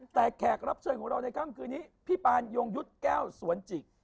แต่แขกรับเชิญของเราในค่ำคืนนี้พี่ปานยงยุทธ์แก้วสวนจิก